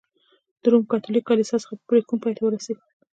د روم کاتولیک کلیسا څخه په پرېکون پای ته ورسېد.